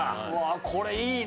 これいいな！